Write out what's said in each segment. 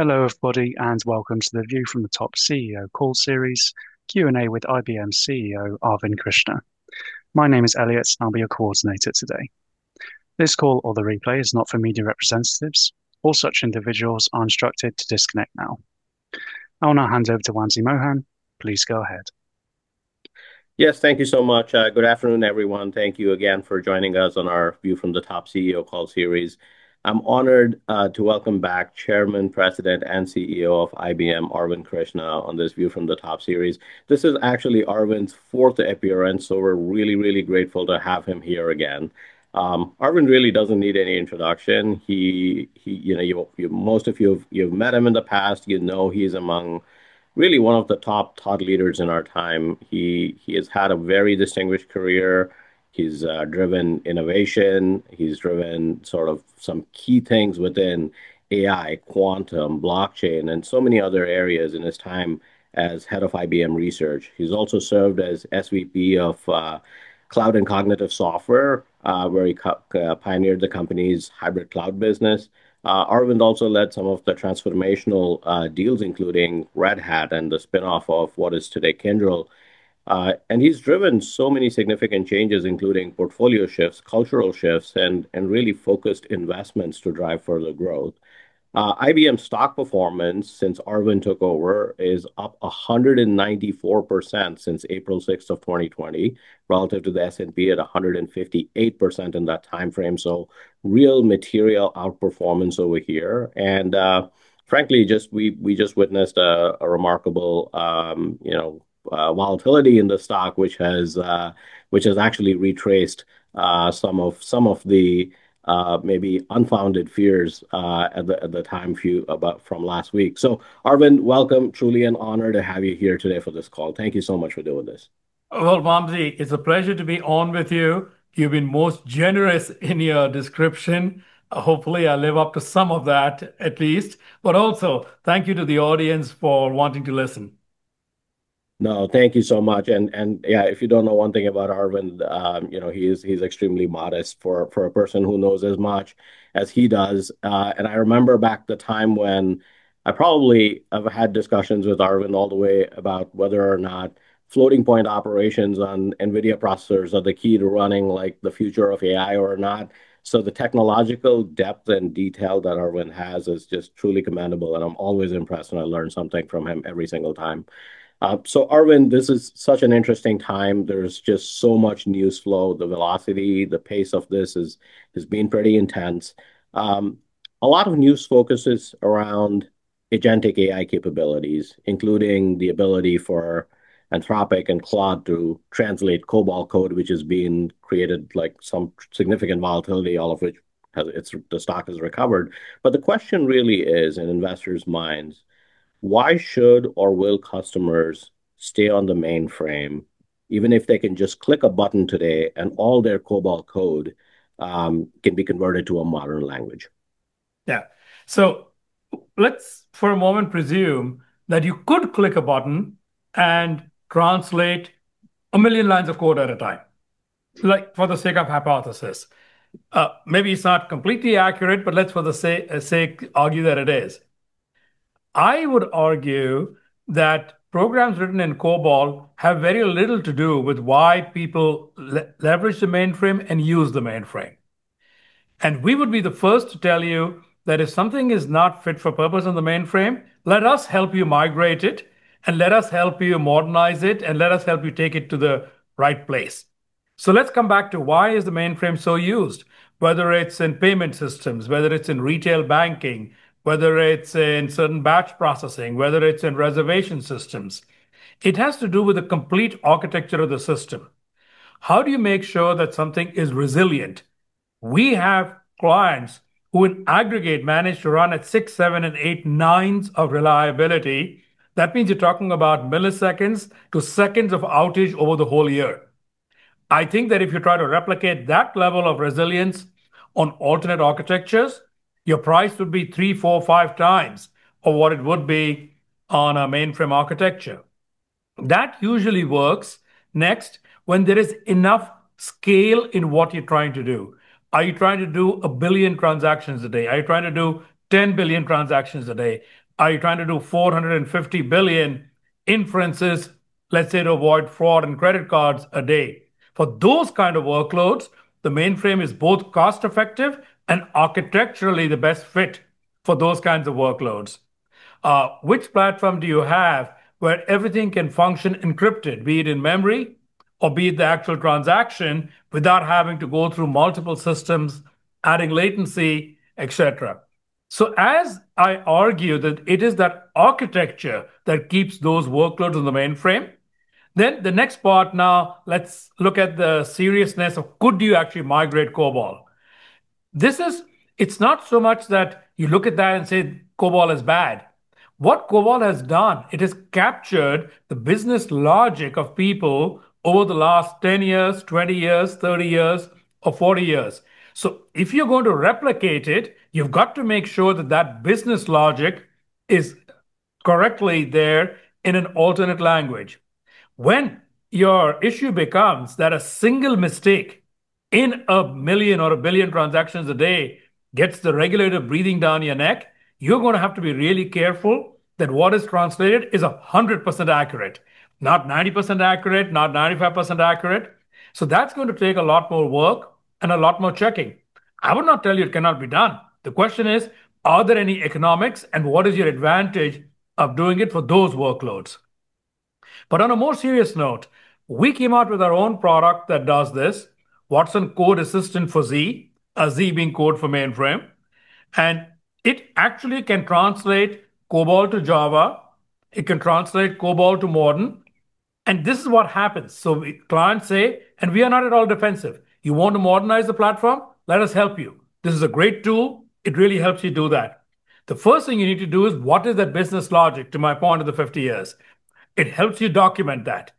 Hello, everybody, and welcome to the View from the Top CEO Call Series Q&A with IBM CEO, Arvind Krishna. My name is Elliot, and I'll be your coordinator today. This call or the replay is not for media representatives. All such individuals are instructed to disconnect now. I will now hand over to Wamsi Mohan. Please go ahead. Yes, thank you so much. Good afternoon, everyone. Thank you again for joining us on our View from the Top CEO Call series. I'm honored to welcome back Chairman, President, and CEO of IBM, Arvind Krishna, on this View from the Top series. This is actually Arvind's fourth appearance, so we're really grateful to have him here again. Arvind really doesn't need any introduction. Most of you have met him in the past. You know he's among really one of the top thought leaders in our time. He has had a very distinguished career. He's driven innovation. He's driven some key things within AI, quantum, blockchain, and so many other areas in his time as head of IBM Research. He's also served as SVP of Cloud and Cognitive Software, where he pioneered the company's hybrid cloud business. Arvind also led some of the transformational deals, including Red Hat and the spinoff of what is today Kyndryl. He's driven so many significant changes, including portfolio shifts, cultural shifts, and really focused investments to drive further growth. IBM's stock performance since Arvind took over is up 194% since April 6th of 2020, relative to the S&P at 158% in that timeframe. Real material outperformance over here. Frankly, we just witnessed a remarkable volatility in the stock, which has actually retraced some of the maybe unfounded fears at the time from last week. Arvind, welcome. Truly an honor to have you here today for this call. Thank you so much for doing this. Well, Vamsee, it's a pleasure to be on with you. You've been most generous in your description. Hopefully, I live up to some of that at least. Also, thank you to the audience for wanting to listen. No, thank you so much. Yeah, if you don't know one thing about Arvind, he's extremely modest for a person who knows as much as he does. I remember back the time when I probably have had discussions with Arvind all the way about whether or not floating point operations on NVIDIA processors are the key to running the future of AI or not. The technological depth and detail that Arvind has is just truly commendable, and I'm always impressed, and I learn something from him every single time. Arvind, this is such an interesting time. There's just so much news flow. The velocity, the pace of this has been pretty intense. A lot of news focuses around agentic AI capabilities, including the ability for Anthropic and Claude to translate COBOL code, which has been created some significant volatility, all of which the stock has recovered. The question really is, in investors' minds, why should or will customers stay on the mainframe, even if they can just click a button today and all their COBOL code can be converted to a modern language? Yeah. Let's for a moment presume that you could click a button and translate 1 million lines of code at a time, for the sake of hypothesis. Maybe it's not completely accurate, but let's for the sake argue that it is. I would argue that programs written in COBOL have very little to do with why people leverage the mainframe and use the mainframe. We would be the first to tell you that if something is not fit for purpose on the mainframe, let us help you migrate it and let us help you modernize it, and let us help you take it to the right place. Let's come back to why is the mainframe so used, whether it's in payment systems, whether it's in retail banking, whether it's in certain batch processing, whether it's in reservation systems. It has to do with the complete architecture of the system. How do you make sure that something is resilient? We have clients who in aggregate manage to run at six, seven, and eight nines of reliability. That means you're talking about milliseconds to seconds of outage over the whole year. I think that if you try to replicate that level of resilience on alternate architectures, your price would be three, four, five times of what it would be on a mainframe architecture. That usually works, next, when there is enough scale in what you're trying to do. Are you trying to do 1 billion transactions a day? Are you trying to do 10 billion transactions a day? Are you trying to do 450 billion inferences, let's say, to avoid fraud on credit cards a day? For those kind of workloads, the mainframe is both cost-effective and architecturally the best fit for those kinds of workloads. Which platform do you have where everything can function encrypted, be it in memory or be it the actual transaction, without having to go through multiple systems, adding latency, et cetera? As I argue that it is that architecture that keeps those workloads on the mainframe, the next part now, let's look at the seriousness of could you actually migrate COBOL? It's not so much that you look at that and say COBOL is bad. What COBOL has done, it has captured the business logic of people over the last 10 years, 20 years, 30 years, or 40 years. If you're going to replicate it, you've got to make sure that that business logic is correctly there in an alternate language. When your issue becomes that a single mistake in a million or a billion transactions a day gets the regulator breathing down your neck, you're going to have to be really careful that what is translated is 100% accurate, not 90% accurate, not 95% accurate. That's going to take a lot more work and a lot more checking. I would not tell you it cannot be done. The question is, are there any economics, and what is your advantage of doing it for those workloads? On a more serious note, we came out with our own product that does this, watsonx Code Assistant for Z, a Z being code for mainframe, and it actually can translate COBOL to Java. It can translate COBOL to modern, and this is what happens. Clients say, and we are not at all defensive, "You want to modernize the platform? Let us help you. This is a great tool. It really helps you do that." The first thing you need to do is what is that business logic, to my point of the 50 years. It helps you document that.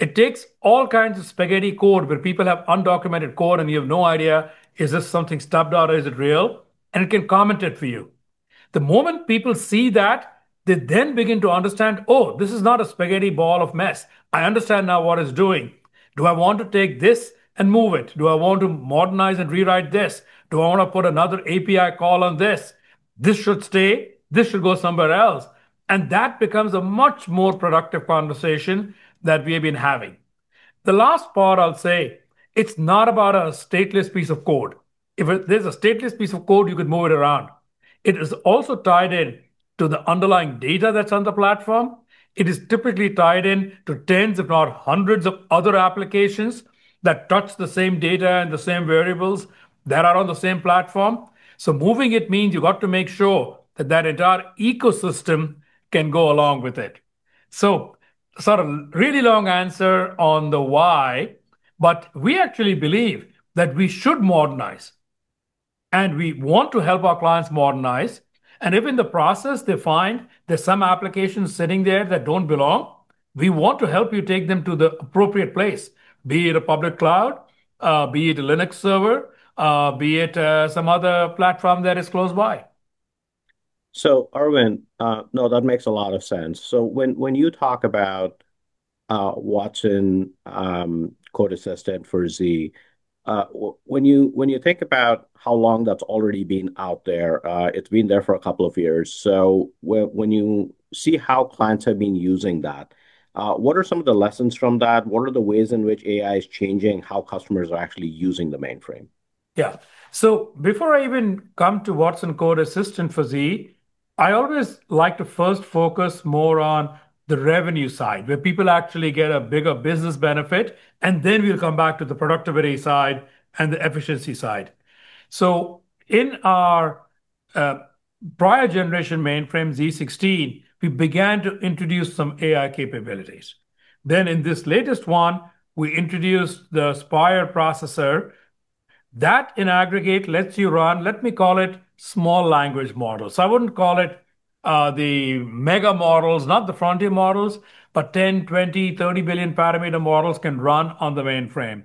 It takes all kinds of spaghetti code where people have undocumented code, and you have no idea, is this something stubbed out or is it real, and it can comment it for you. The moment people see that, they then begin to understand, oh, this is not a spaghetti ball of mess. I understand now what it's doing. Do I want to take this and move it? Do I want to modernize and rewrite this? Do I want to put another API call on this? This should stay. This should go somewhere else. That becomes a much more productive conversation that we have been having. The last part I'll say, it's not about a stateless piece of code. If there's a stateless piece of code, you could move it around. It is also tied in to the underlying data that's on the platform. It is typically tied in to tens, if not hundreds, of other applications that touch the same data and the same variables that are on the same platform. Moving it means you've got to make sure that that entire ecosystem can go along with it. Sort of really long answer on the why, but we actually believe that we should modernize, and we want to help our clients modernize. If in the process, they find there's some applications sitting there that don't belong, we want to help you take them to the appropriate place, be it a public cloud, be it a Linux server, be it some other platform that is close by. Arvind, no, that makes a lot of sense. When you talk about watsonx Code Assistant for Z, when you think about how long that's already been out there, it's been there for a couple of years. When you see how clients have been using that, what are some of the lessons from that? What are the ways in which AI is changing how customers are actually using the mainframe? Before I even come to watsonx Code Assistant for Z, I always like to first focus more on the revenue side, where people actually get a bigger business benefit, and then we'll come back to the productivity side and the efficiency side. In our prior generation mainframe, z16, we began to introduce some AI capabilities. In this latest one, we introduced the Spyre processor. That, in aggregate, lets you run, let me call it, small language models. I wouldn't call it the mega models, not the frontier models, but 10, 20, 30 billion parameter models can run on the mainframe.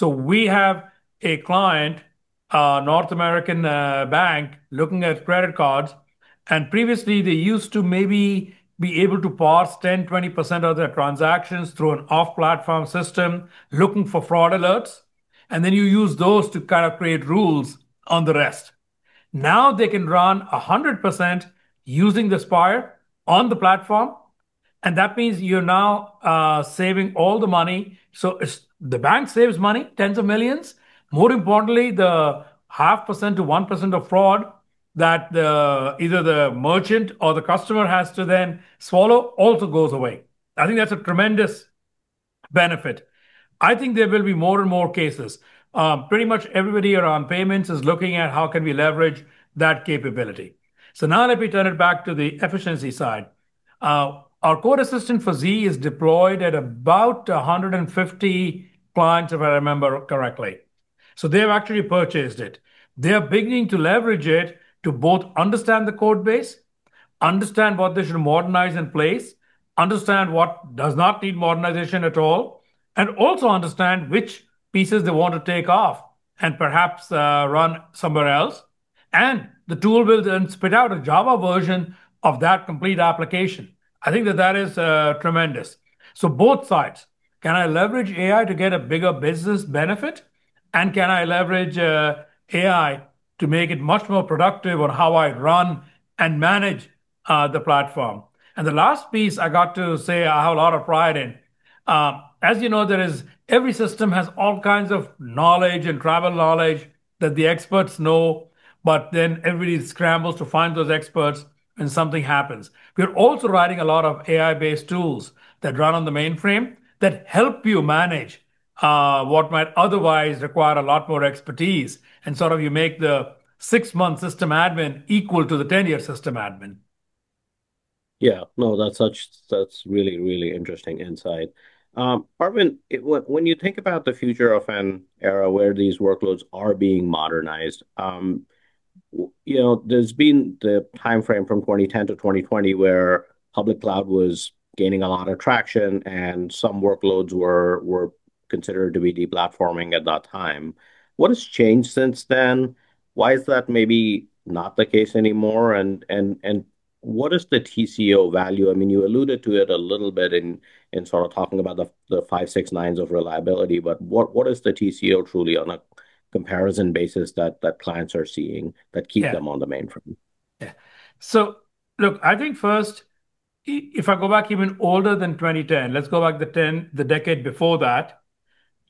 We have a client, a North American bank, looking at credit cards, and previously, they used to maybe be able to parse 10%, 20% of their transactions through an off-platform system, looking for fraud alerts, and then you use those to kind of create rules on the rest. Now they can run 100% using the Spyre on the platform, and that means you're now saving all the money. The bank saves money, tens of millions. More importantly, the 0.5%-1% of fraud that either the merchant or the customer has to then swallow also goes away. I think that's a tremendous benefit. I think there will be more and more cases. Pretty much everybody around payments is looking at how can we leverage that capability. Now let me turn it back to the efficiency side. Our watsonx Code Assistant for Z is deployed at about 150 clients, if I remember correctly. They've actually purchased it. They are beginning to leverage it to both understand the code base, understand what they should modernize in place, understand what does not need modernization at all, and also understand which pieces they want to take off and perhaps run somewhere else. The tool will then spit out a Java version of that complete application. I think that is tremendous. Both sides, can I leverage AI to get a bigger business benefit, and can I leverage AI to make it much more productive on how I run and manage the platform? The last piece I got to say I have a lot of pride in. As you know, every system has all kinds of knowledge and tribal knowledge that the experts know, but then everybody scrambles to find those experts when something happens. We're also writing a lot of AI-based tools that run on the mainframe that help you manage what might otherwise require a lot more expertise, and sort of you make the six-month system admin equal to the 10-year system admin. Yeah. No, that's really interesting insight. Arvind, when you think about the future of an era where these workloads are being modernized. There's been the timeframe from 2010 to 2020 where public cloud was gaining a lot of traction, and some workloads were considered to be de-platforming at that time. What has changed since then? Why is that maybe not the case anymore? What is the TCO value? You alluded to it a little bit in talking about the five, six nines of reliability, but what is the TCO truly on a comparison basis that clients are seeing that keep- Yeah them on the mainframe? Yeah. Look, I think first, if I go back even older than 2010, let's go back the decade before that,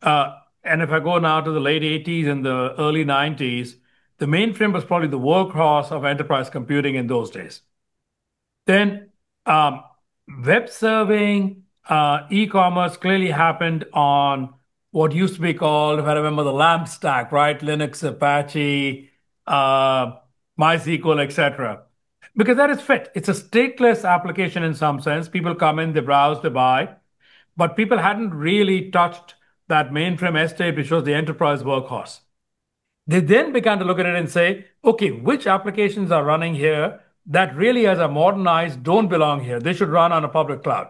and if I go now to the late 80s and the early 90s, the mainframe was probably the workhorse of enterprise computing in those days. Web serving, e-commerce clearly happened on what used to be called, if I remember, the LAMP stack, right? Linux, Apache, MySQL, et cetera. That is fit. It's a stateless application in some sense. People come in, they browse, they buy. People hadn't really touched that mainframe estate, which was the enterprise workhorse. They then began to look at it and say, "Okay, which applications are running here that really, as I modernize, don't belong here? They should run on a public cloud."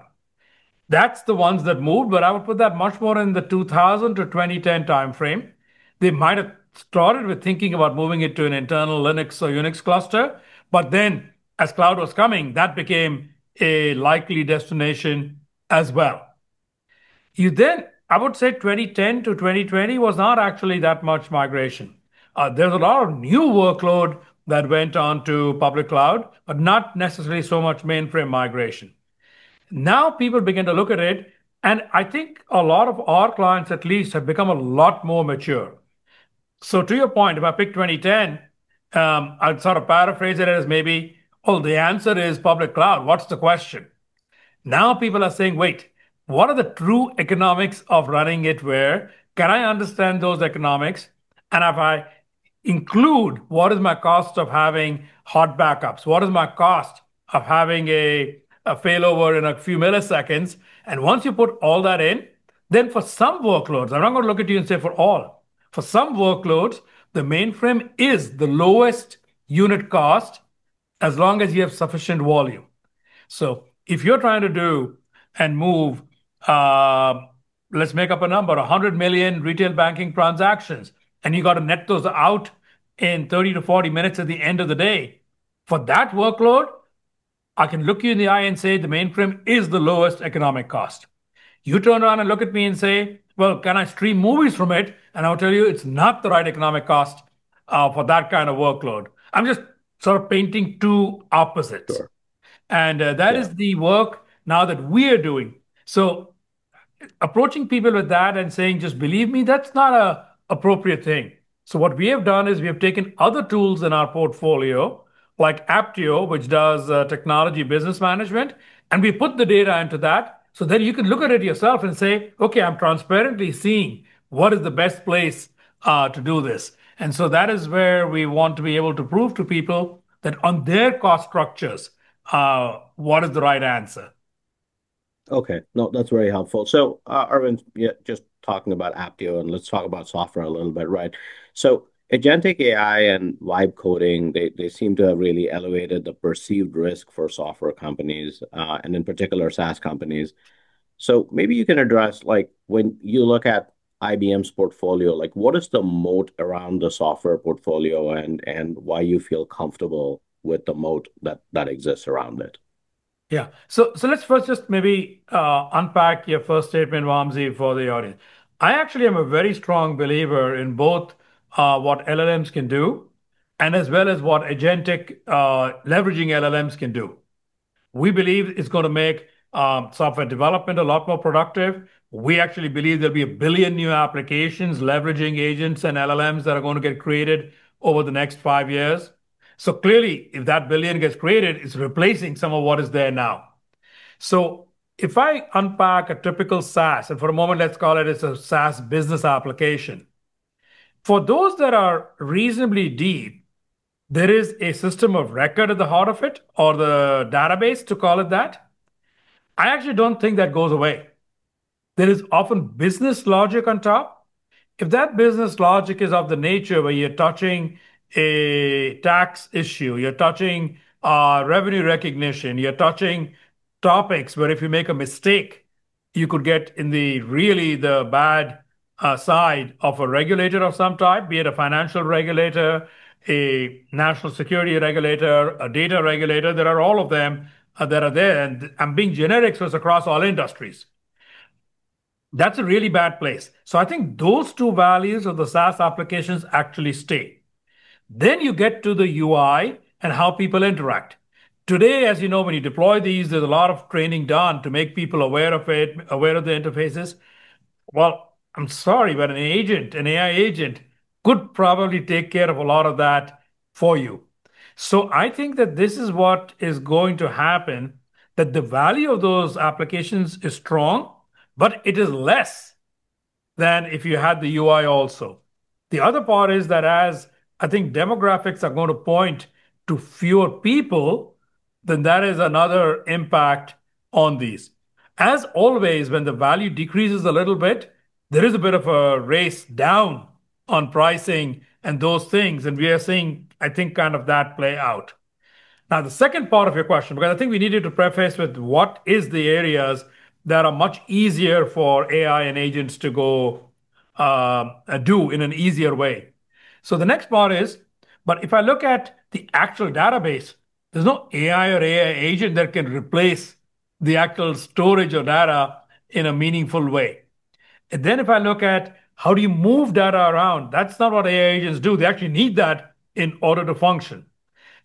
That's the ones that moved, but I would put that much more in the 2000 to 2010 timeframe. They might have started with thinking about moving it to an internal Linux or Unix cluster, but then as cloud was coming, that became a likely destination as well. You then, I would say 2010 to 2020 was not actually that much migration. There's a lot of new workload that went onto public cloud, but not necessarily so much mainframe migration. Now people begin to look at it, I think a lot of our clients, at least, have become a lot more mature. To your point, if I pick 2010, I'd paraphrase it as maybe, "Oh, the answer is public cloud. What's the question?" Now people are saying, "Wait, what are the true economics of running it where? Can I understand those economics? If I include, what is my cost of having hot backups? What is my cost of having a failover in a few milliseconds?" Once you put all that in, then for some workloads, I'm not going to look at you and say for all. For some workloads, the mainframe is the lowest unit cost as long as you have sufficient volume. If you're trying to do and move, let's make up a number, $100 million retail banking transactions, and you got to net those out in 30 to 40 minutes at the end of the day, for that workload, I can look you in the eye and say the mainframe is the lowest economic cost. You turn around and look at me and say, "Well, can I stream movies from it?" I'll tell you it's not the right economic cost for that kind of workload. I'm just painting two opposites. Sure. That is the work now that we're doing. Approaching people with that and saying, "Just believe me," that's not an appropriate thing. What we have done is we have taken other tools in our portfolio, like Apptio, which does technology business management, and we put the data into that so then you can look at it yourself and say, "Okay, I'm transparently seeing what is the best place to do this." That is where we want to be able to prove to people that on their cost structures, what is the right answer. Okay. No, that's very helpful. Arvind, just talking about Apptio, and let's talk about software a little bit, right? Agentic AI and vibe coding, they seem to have really elevated the perceived risk for software companies, and in particular, SaaS companies. Maybe you can address, when you look at IBM's portfolio, what is the moat around the software portfolio and why you feel comfortable with the moat that exists around it? Yeah. Let's first just maybe unpack your first statement, Vamsee, for the audience. I actually am a very strong believer in both what LLMs can do and as well as what agentic leveraging LLMs can do. We believe it's going to make software development a lot more productive. We actually believe there'll be 1 billion new applications leveraging agents and LLMs that are going to get created over the next five years. Clearly, if that 1 billion gets created, it's replacing some of what is there now. If I unpack a typical SaaS, and for a moment, let's call it it's a SaaS business application. For those that are reasonably deep, there is a system of record at the heart of it or the database, to call it that. I actually don't think that goes away. There is often business logic on top. If that business logic is of the nature where you're touching a tax issue, you're touching revenue recognition, you're touching topics where if you make a mistake, you could get in the really the bad side of a regulator of some type, be it a financial regulator, a national security regulator, a data regulator. There are all of them that are there. I'm being generic, so it's across all industries. That's a really bad place. I think those two values of the SaaS applications actually stay. You get to the UI and how people interact. Today, as you know, when you deploy these, there's a lot of training done to make people aware of it, aware of the interfaces. Well, I'm sorry, but an agent, an AI agent could probably take care of a lot of that for you. I think that this is what is going to happen, that the value of those applications is strong, but it is less than if you had the UI also. The other part is that as, I think, demographics are going to point to fewer people. That is another impact on these. As always, when the value decreases a little bit, there is a bit of a race down on pricing and those things, and we are seeing, I think, kind of that play out. The second part of your question, because I think we needed to preface with what is the areas that are much easier for AI and agents to go do in an easier way. The next part is, if I look at the actual database, there's no AI or AI agent that can replace the actual storage of data in a meaningful way. If I look at how do you move data around, that's not what AI agents do. They actually need that in order to function.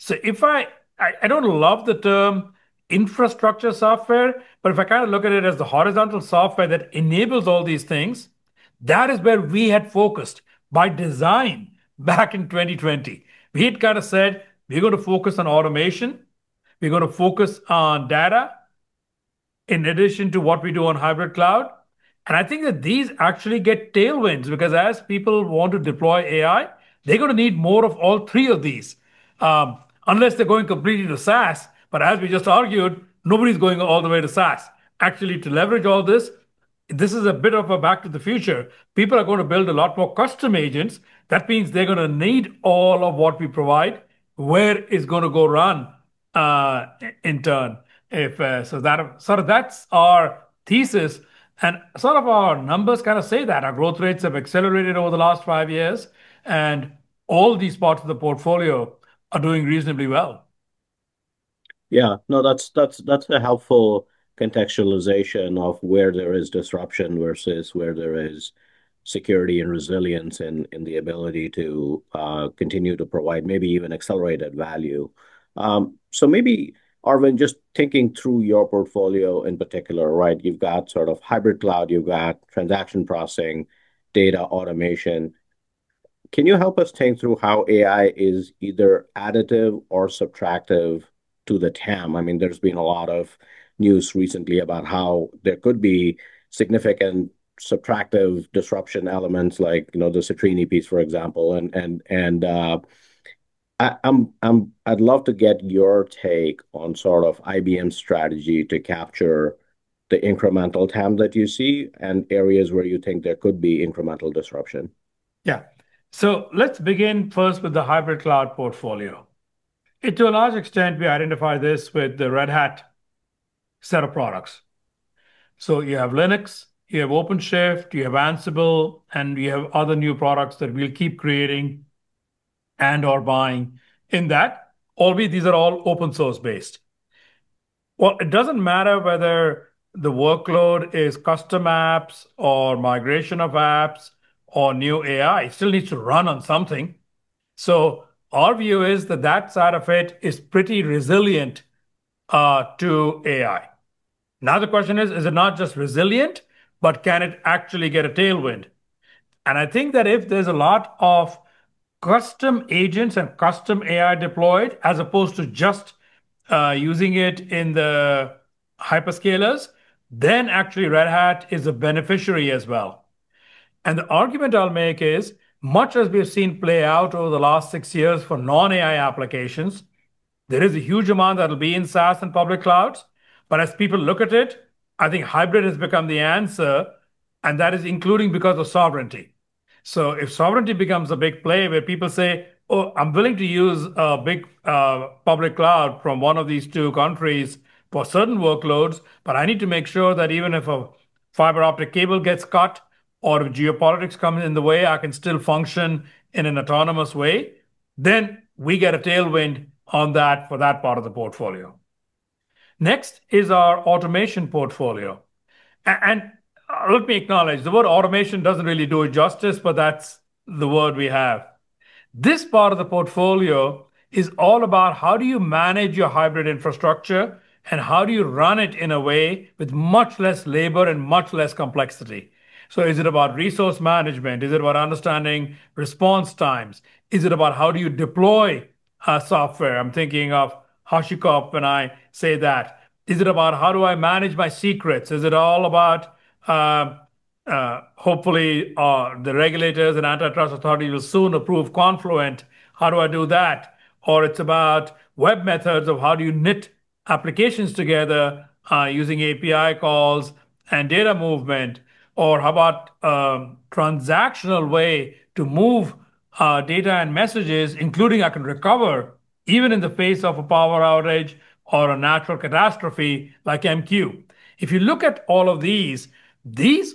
I don't love the term infrastructure software, but if I look at it as the horizontal software that enables all these things, that is where we had focused by design back in 2020. We had said, "We're going to focus on automation. We're going to focus on data in addition to what we do on hybrid cloud." I think that these actually get tailwinds, because as people want to deploy AI, they're going to need more of all three of these, unless they're going completely to SaaS. As we just argued, nobody's going all the way to SaaS. Actually, to leverage all this is a bit of a back to the future. People are going to build a lot more custom agents. That means they're going to need all of what we provide. Where is it going to go run, in turn? That's our thesis, and some of our numbers say that. Our growth rates have accelerated over the last five years, and all these parts of the portfolio are doing reasonably well. That's a helpful contextualization of where there is disruption versus where there is security and resilience in the ability to continue to provide maybe even accelerated value. Maybe, Arvind, just thinking through your portfolio in particular, right? You've got hybrid cloud, you've got transaction processing, data automation. Can you help us think through how AI is either additive or subtractive to the TAM? There's been a lot of news recently about how there could be significant subtractive disruption elements like the Citrini piece, for example. I'd love to get your take on IBM's strategy to capture the incremental TAM that you see and areas where you think there could be incremental disruption. Let's begin first with the hybrid cloud portfolio. To a large extent, we identify this with the Red Hat set of products. You have Linux, you have OpenShift, you have Ansible, and we have other new products that we'll keep creating and/or buying in that. Albeit these are all open-source based. It doesn't matter whether the workload is custom apps or migration of apps or new AI, it still needs to run on something. Our view is that that side of it is pretty resilient to AI. Now, the question is it not just resilient, but can it actually get a tailwind? I think that if there's a lot of custom agents and custom AI deployed as opposed to just using it in the hyperscalers, then actually Red Hat is a beneficiary as well. The argument I'll make is, much as we have seen play out over the last six years for non-AI applications, there is a huge amount that'll be in SaaS and public clouds. As people look at it, I think hybrid has become the answer, and that is including because of sovereignty. If sovereignty becomes a big play where people say, "Oh, I'm willing to use a big public cloud from one of these two countries for certain workloads, but I need to make sure that even if a fiber optic cable gets cut or if geopolitics comes in the way, I can still function in an autonomous way," then we get a tailwind on that for that part of the portfolio. Next is our automation portfolio. Let me acknowledge, the word automation doesn't really do it justice, but that's the word we have. This part of the portfolio is all about how do you manage your hybrid infrastructure, how do you run it in a way with much less labor and much less complexity? Is it about resource management? Is it about understanding response times? Is it about how do you deploy software? I'm thinking of HashiCorp when I say that. Is it about how do I manage my secrets? Is it all about, hopefully, the regulators and antitrust authorities will soon approve Confluent. How do I do that? It's about webMethods of how do you knit applications together using API calls and data movement? How about transactional way to move data and messages, including I can recover even in the face of a power outage or a natural catastrophe like MQ. If you look at all of these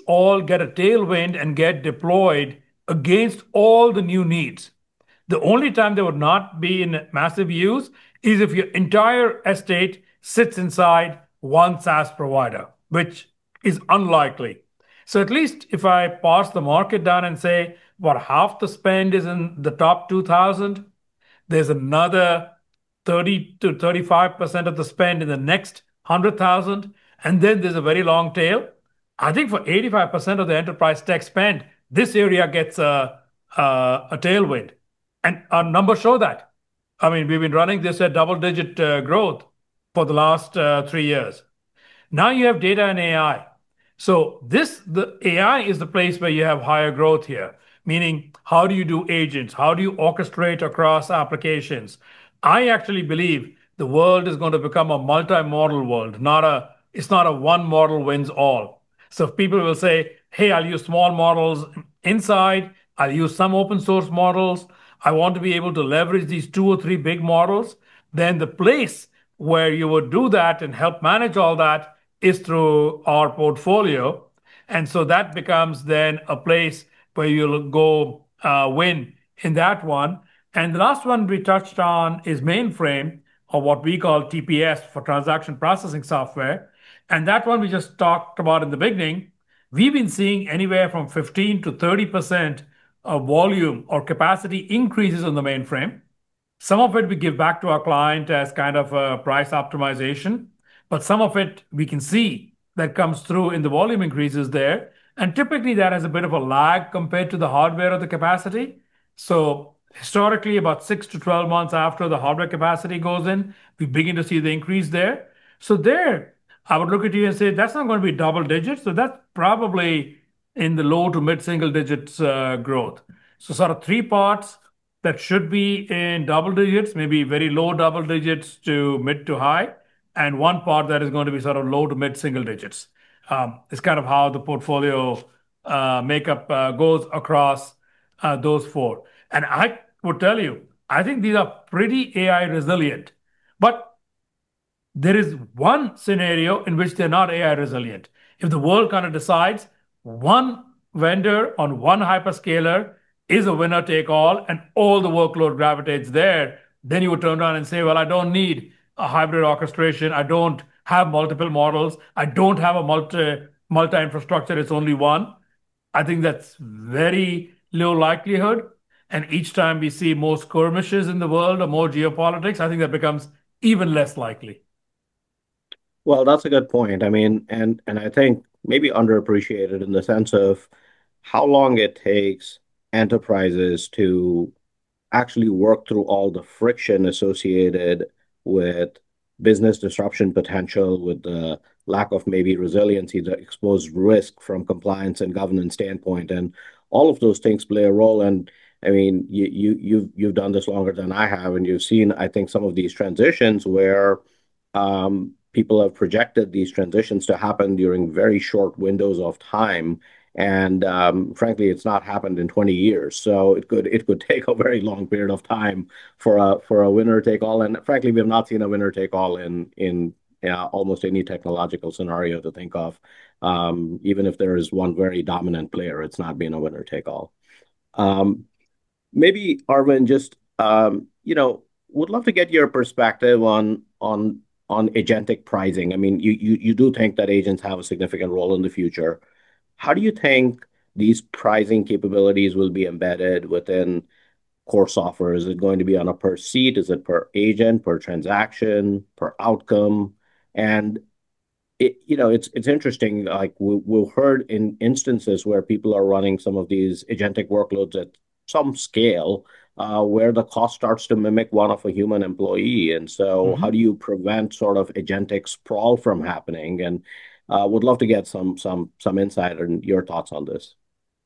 all get a tailwind and get deployed against all the new needs. The only time they would not be in massive use is if your entire estate sits inside one SaaS provider, which is unlikely. At least if I parse the market down and say about half the spend is in the top 2,000, there's another 30%-35% of the spend in the next 100,000, and then there's a very long tail. I think for 85% of the enterprise tech spend, this area gets a tailwind. Our numbers show that. We've been running this at double-digit growth for the last three years. Now you have data and AI. AI is the place where you have higher growth here, meaning how do you do agents? How do you orchestrate across applications? I actually believe the world is going to become a multi-model world. It's not a one model wins all. If people will say, "Hey, I'll use small models inside, I'll use some open source models. I want to be able to leverage these two or three big models," then the place where you would do that and help manage all that is through our portfolio. That becomes then a place where you'll go win in that one. The last one we touched on is mainframe, or what we call TPS for transaction processing software. That one we just talked about in the beginning. We've been seeing anywhere from 15%-30% of volume or capacity increases on the mainframe. Some of it we give back to our client as kind of a price optimization, but some of it we can see that comes through in the volume increases there. Typically, that has a bit of a lag compared to the hardware or the capacity. Historically, about 6 to 12 months after the hardware capacity goes in, we begin to see the increase there. There, I would look at you and say, "That's not going to be double digits." That's probably in the low to mid-single digits growth. Sort of 3 parts that should be in double digits, maybe very low double digits to mid to high, and one part that is going to be low to mid-single digits. It's kind of how the portfolio makeup goes across those four. I will tell you, I think these are pretty AI-resilient, but there is one scenario in which they're not AI-resilient. If the world decides one vendor on one hyperscaler is a winner-take-all and all the workload gravitates there, you would turn around and say, "I don't need a hybrid orchestration. I don't have multiple models. I don't have a multi-infrastructure. It's only one." I think that's very low likelihood, each time we see more skirmishes in the world or more geopolitics, I think that becomes even less likely. That's a good point. I think maybe underappreciated in the sense of how long it takes enterprises to actually work through all the friction associated with business disruption potential, with the lack of maybe resiliency, the exposed risk from compliance and governance standpoint, all of those things play a role in. You've done this longer than I have, and you've seen, I think, some of these transitions where people have projected these transitions to happen during very short windows of time. Frankly, it's not happened in 20 years, so it could take a very long period of time for a winner-take-all. Frankly, we have not seen a winner-take-all in almost any technological scenario to think of. Even if there is one very dominant player, it's not been a winner-take-all. Arvind, just would love to get your perspective on agentic pricing. You do think that agents have a significant role in the future. How do you think these pricing capabilities will be embedded within core software? Is it going to be on a per seat? Is it per agent, per transaction, per outcome? It's interesting, we've heard in instances where people are running some of these agentic workloads at some scale, where the cost starts to mimic one of a human employee. How do you prevent sort of agentic sprawl from happening? Would love to get some insight and your thoughts on this.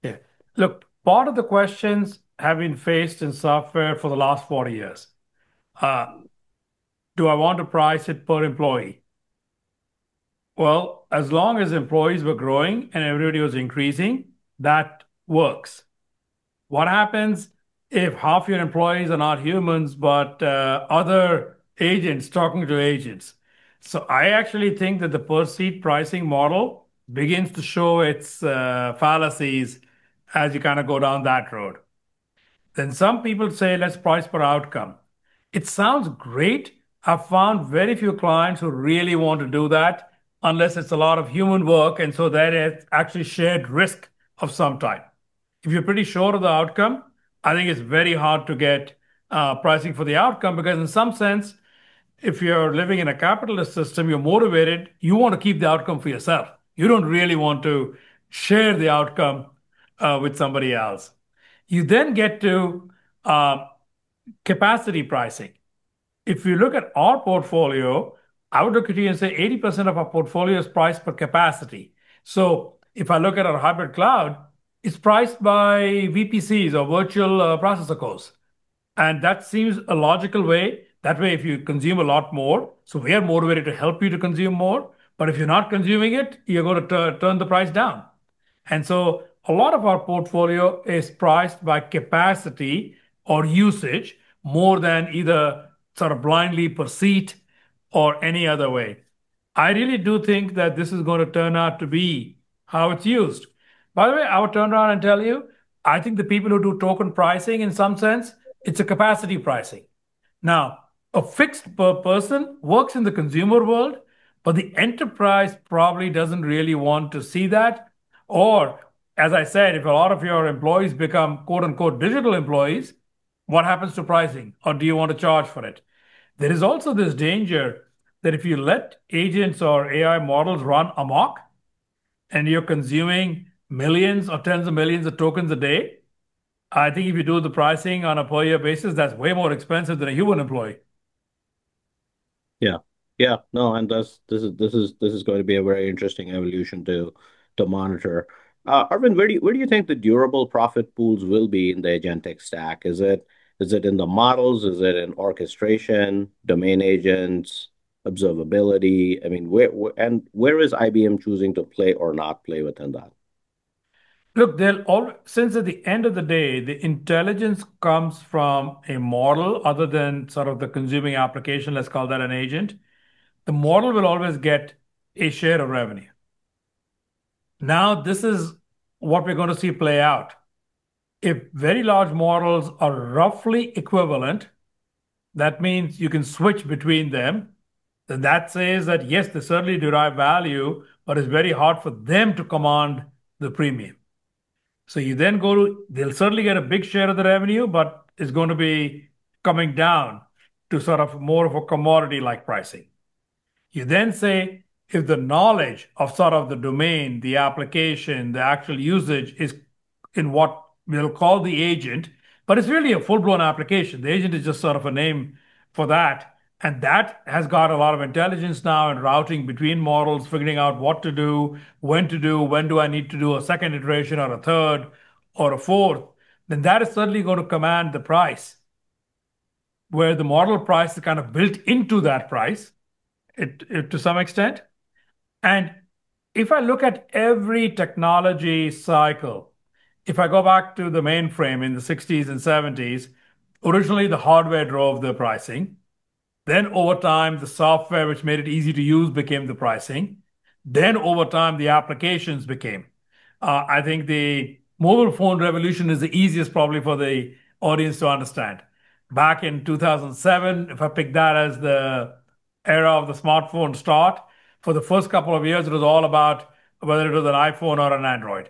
Yeah. Look, part of the questions have been faced in software for the last 40 years. Do I want to price it per employee? Well, as long as employees were growing and everybody was increasing, that works. What happens if half your employees are not humans, but other agents talking to agents? I actually think that the per-seat pricing model begins to show its fallacies as you go down that road. Some people say, "Let's price per outcome." It sounds great. I've found very few clients who really want to do that unless it's a lot of human work, and so there is actually shared risk of some type. If you're pretty sure of the outcome, I think it's very hard to get pricing for the outcome, because in some sense, if you're living in a capitalist system, you're motivated, you want to keep the outcome for yourself. You don't really want to share the outcome with somebody else. You then get to capacity pricing. If you look at our portfolio, I would look at you and say 80% of our portfolio is priced per capacity. If I look at our hybrid cloud, it's priced by VPCs or virtual processor cores, and that seems a logical way. That way if you consume a lot more, we are motivated to help you to consume more. If you're not consuming it, you're going to turn the price down. A lot of our portfolio is priced by capacity or usage more than either blindly per seat or any other way. I really do think that this is going to turn out to be how it's used. By the way, I would turn around and tell you, I think the people who do token pricing, in some sense, it's a capacity pricing. A fixed per person works in the consumer world, but the enterprise probably doesn't really want to see that. As I said, if a lot of your employees become, quote-unquote, "digital employees," what happens to pricing? Do you want to charge for it? There is also this danger that if you let agents or AI models run amok and you're consuming millions or tens of millions of tokens a day, I think if you do the pricing on a per year basis, that's way more expensive than a human employee. Yeah. No, this is going to be a very interesting evolution to monitor. Arvind, where do you think the durable profit pools will be in the agentic stack? Is it in the models? Is it in orchestration, domain agents, observability? Where is IBM choosing to play or not play within that? Look, since at the end of the day, the intelligence comes from a model other than sort of the consuming application, let's call that an agent, the model will always get a share of revenue. This is what we're going to see play out. If very large models are roughly equivalent, that means you can switch between them, then that says that, yes, they certainly derive value, but it's very hard for them to command the premium. You then go, they'll certainly get a big share of the revenue, but it's going to be coming down to sort of more of a commodity-like pricing. You then say, if the knowledge of sort of the domain, the application, the actual usage is in what we'll call the agent, but it's really a full-blown application. The agent is just sort of a name for that has got a lot of intelligence now and routing between models, figuring out what to do, when to do, when do I need to do a second iteration or a third or a fourth, then that is certainly going to command the price. Where the model price is kind of built into that price, to some extent. If I look at every technology cycle, if I go back to the mainframe in the '60s and '70s, originally the hardware drove the pricing. Over time, the software which made it easy to use became the pricing. Over time, the applications became. I think the mobile phone revolution is the easiest probably for the audience to understand. Back in 2007, if I pick that as the era of the smartphone start, for the first couple of years, it was all about whether it was an iPhone or an Android.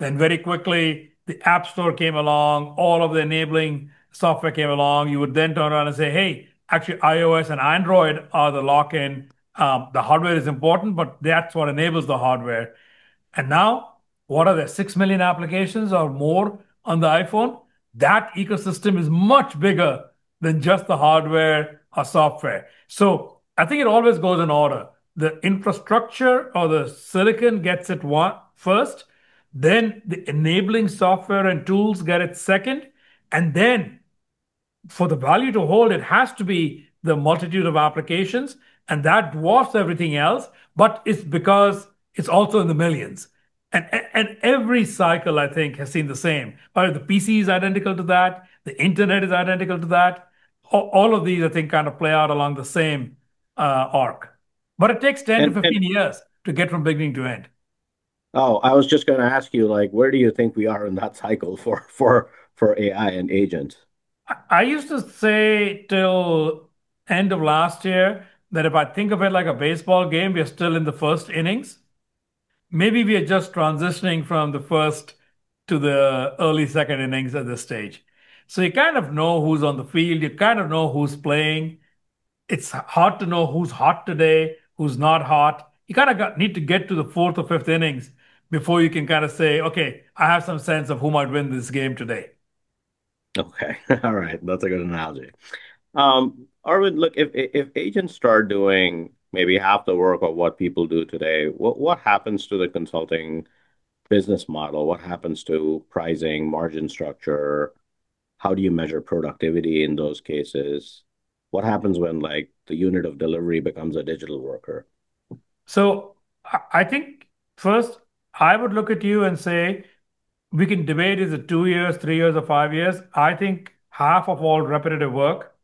Very quickly, the App Store came along, all of the enabling software came along. You would then turn around and say, "Hey, actually iOS and Android are the lock-in." The hardware is important, but the apps what enables the hardware. Now, what are there, 6 million applications or more on the iPhone? That ecosystem is much bigger than just the hardware or software. I think it always goes in order. The infrastructure or the silicon gets it first. The enabling software and tools get it second. Then, for the value to hold, it has to be the multitude of applications, and that dwarfs everything else, but it's because it's also in the millions. Every cycle, I think, has seen the same. The PC is identical to that. The internet is identical to that. All of these, I think, kind of play out along the same arc. It takes 10-15 years to get from beginning to end. Oh, I was just going to ask you, where do you think we are in that cycle for AI and agents? I used to say till end of last year that if I think of it like a baseball game, we are still in the 1st innings. Maybe we are just transitioning from the 1st to the early 2nd innings at this stage. You kind of know who's on the field. You kind of know who's playing. It's hard to know who's hot today, who's not hot. You kind of need to get to the 4th or 5th innings before you can kind of say, "Okay, I have some sense of who might win this game today. Okay. All right. That's a good analogy. Arvind, look, if agents start doing maybe half the work of what people do today, what happens to the consulting business model? What happens to pricing, margin structure? How do you measure productivity in those cases? What happens when the unit of delivery becomes a digital worker? I think first I would look at you and say, we can debate is it two years, three years, or five years, I think half of all repetitive work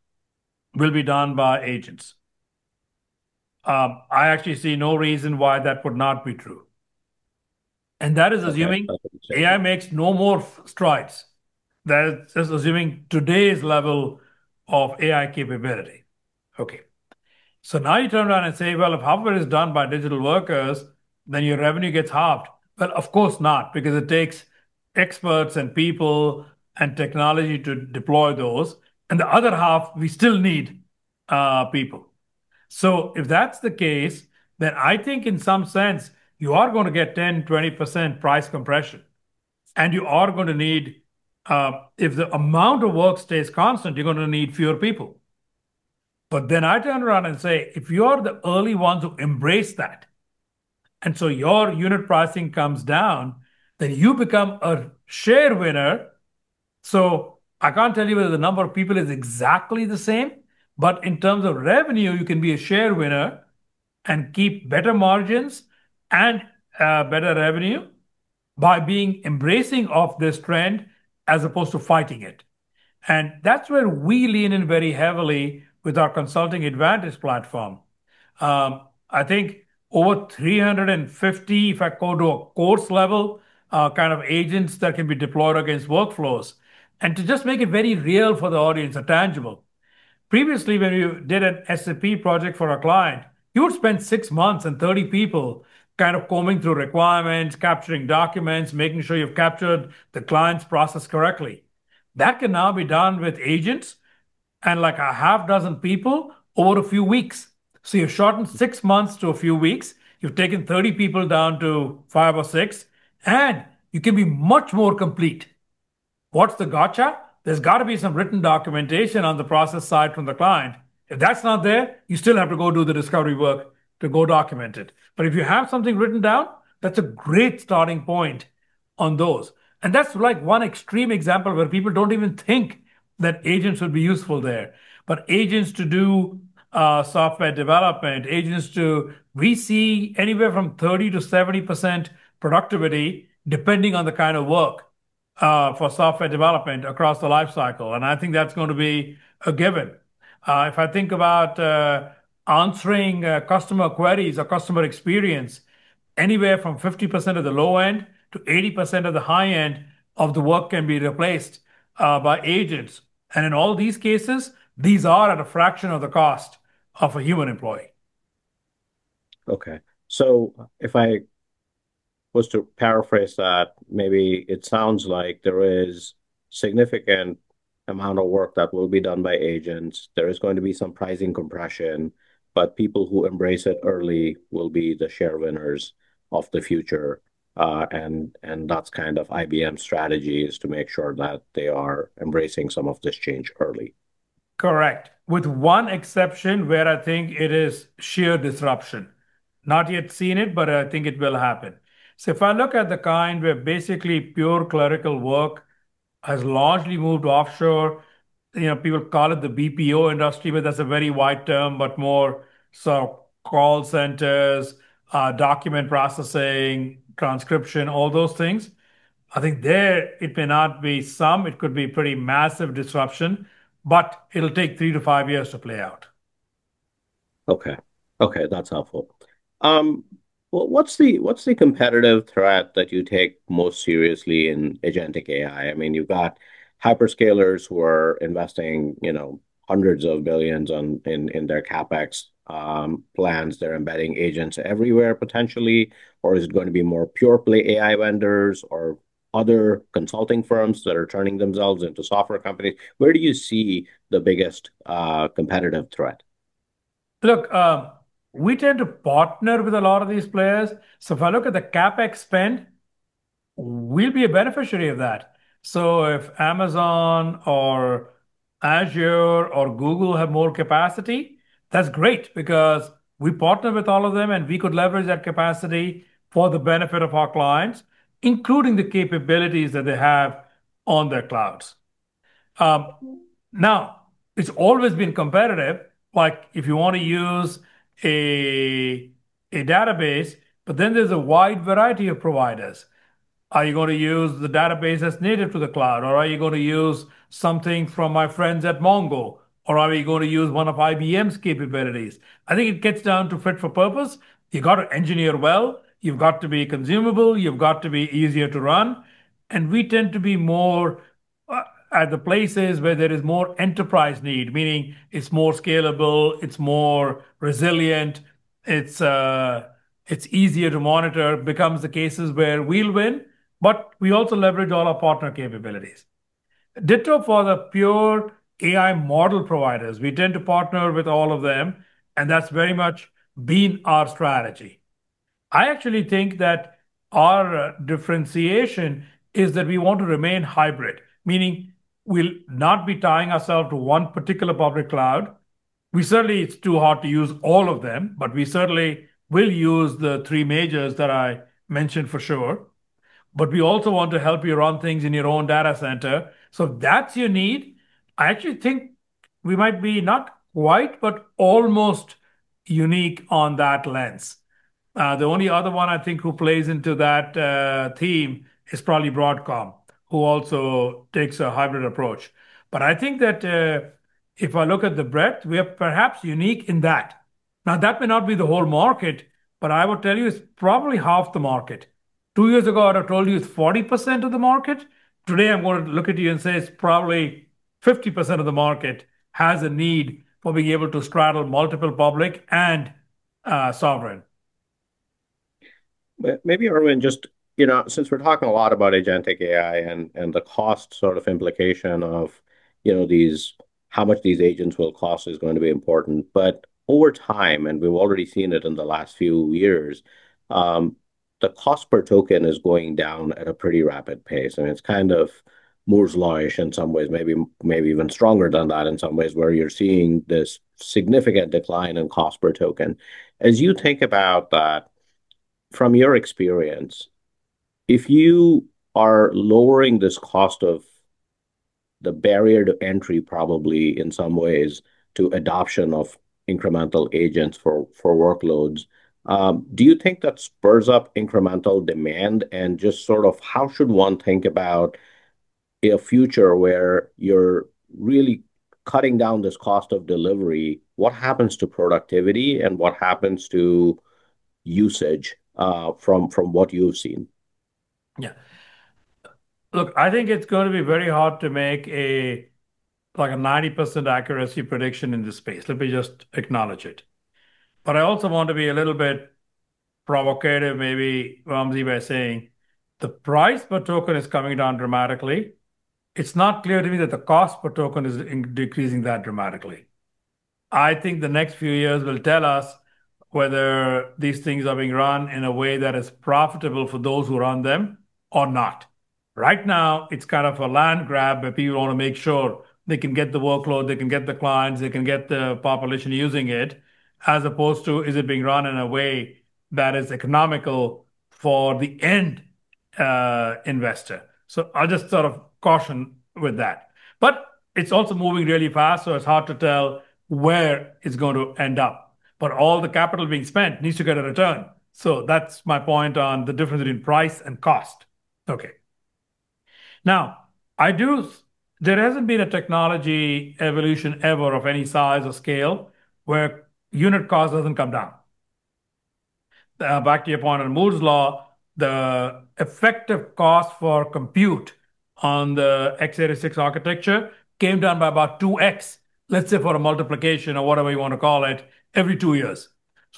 will be done by agents. I actually see no reason why that would not be true. That is assuming- Okay AI makes no more strides. That is assuming today's level of AI capability. You turn around and say, "Well, if half of it is done by digital workers, then your revenue gets halved." Of course not, because it takes experts and people and technology to deploy those. The other half, we still need people. If that's the case, I think in some sense, you are going to get 10%-20% price compression. You are going to need, if the amount of work stays constant, you're going to need fewer people. I turn around and say, if you are the early ones who embrace that, your unit pricing comes down, you become a share winner. I can't tell you whether the number of people is exactly the same, but in terms of revenue, you can be a share winner and keep better margins and better revenue by being embracing of this trend as opposed to fighting it. That's where we lean in very heavily with our IBM Consulting Advantage platform. I think over 350, if I go to a course level, kind of agents that can be deployed against workflows. To just make it very real for the audience, a tangible, previously, when we did an SAP project for a client, you would spend six months and 30 people kind of combing through requirements, capturing documents, making sure you've captured the client's process correctly. That can now be done with agents and a half dozen people over a few weeks. You've shortened six months to a few weeks. You've taken 30 people down to five or six, and you can be much more complete. What's the gotcha? There's got to be some written documentation on the process side from the client. If that's not there, you still have to go do the discovery work to go document it. If you have something written down, that's a great starting point on those. That's one extreme example where people don't even think that agents would be useful there. Agents to do software development, agents to. We see anywhere from 30%-70% productivity depending on the kind of work for software development across the life cycle, and I think that's going to be a given. If I think about answering customer queries or customer experience, anywhere from 50% of the low end to 80% of the high end of the work can be replaced by agents. In all these cases, these are at a fraction of the cost of a human employee. If I was to paraphrase that, maybe it sounds like there is significant amount of work that will be done by agents. There is going to be some pricing compression, but people who embrace it early will be the share winners of the future. That's kind of IBM's strategy is to make sure that they are embracing some of this change early. Correct. With one exception where I think it is sheer disruption. Not yet seen it, but I think it will happen. If I look at the kind where basically pure clerical work has largely moved offshore, people call it the BPO industry, but that's a very wide term, but more so call centers, document processing, transcription, all those things. I think there it may not be some, it could be pretty massive disruption, but it'll take three to five years to play out. Okay. That's helpful. What's the competitive threat that you take most seriously in agentic AI? You've got hyperscalers who are investing hundreds of billions in their CapEx plans. They're embedding agents everywhere, potentially. Is it going to be more pure play AI vendors or other consulting firms that are turning themselves into software companies? Where do you see the biggest competitive threat? Look, we tend to partner with a lot of these players. If I look at the CapEx spend, we'll be a beneficiary of that. If Amazon or Azure or Google have more capacity, that's great, because we partner with all of them, and we could leverage that capacity for the benefit of our clients, including the capabilities that they have on their clouds. Now, it's always been competitive, like if you want to use a database, but then there's a wide variety of providers. Are you going to use the database that's native to the cloud, or are you going to use something from my friends at MongoDB, or are we going to use one of IBM's capabilities? I think it gets down to fit for purpose. You've got to engineer well, you've got to be consumable, you've got to be easier to run. We tend to be more at the places where there is more enterprise need, meaning it's more scalable, it's more resilient, it's easier to monitor, becomes the cases where we'll win. We also leverage all our partner capabilities. Ditto for the pure AI model providers. That's very much been our strategy. I actually think that our differentiation is that we want to remain hybrid, meaning we'll not be tying ourself to one particular public cloud. Certainly, it's too hard to use all of them, but we certainly will use the three majors that I mentioned for sure. We also want to help you run things in your own data center. That's your need. I actually think we might be not quite, but almost unique on that lens. The only other one, I think, who plays into that theme is probably Broadcom, who also takes a hybrid approach. I think that if I look at the breadth, we are perhaps unique in that. That may not be the whole market, but I will tell you it's probably half the market. Two years ago, I'd have told you it's 40% of the market. Today, I'm going to look at you and say it's probably 50% of the market has a need for being able to straddle multiple public and sovereign. Maybe, Arvind, since we're talking a lot about agentic AI and the cost implication of how much these agents will cost is going to be important. Over time, and we've already seen it in the last few years, the cost per token is going down at a pretty rapid pace, and it's kind of Moore's law-ish in some ways, maybe even stronger than that in some ways, where you're seeing this significant decline in cost per token. As you think about that, from your experience, if you are lowering this cost of the barrier to entry, probably in some ways, to adoption of incremental agents for workloads, do you think that spurs up incremental demand? Just sort of how should one think about a future where you're really cutting down this cost of delivery? What happens to productivity and what happens to usage, from what you've seen? Yeah. Look, I think it's going to be very hard to make a 90% accuracy prediction in this space. Let me just acknowledge it. I also want to be a little bit provocative, maybe, Wamsi, by saying the price per token is coming down dramatically. It's not clear to me that the cost per token is decreasing that dramatically. I think the next few years will tell us whether these things are being run in a way that is profitable for those who run them or not. Right now, it's kind of a land grab where people want to make sure they can get the workload, they can get the clients, they can get the population using it, as opposed to is it being run in a way that is economical for the end investor. I'll just sort of caution with that. It's also moving really fast, it's hard to tell where it's going to end up. All the capital being spent needs to get a return. That's my point on the difference between price and cost. Okay. There hasn't been a technology evolution ever of any size or scale where unit cost doesn't come down. Back to your point on Moore's law, the effective cost for compute on the x86 architecture came down by about 2x, let's say for a multiplication or whatever you want to call it, every two years.